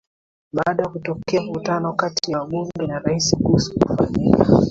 baada kutokea mvutano kati ya wabunge na rais kuhusu kufanyika